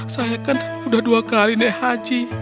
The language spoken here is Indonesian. saya kan udah dua kali naik haji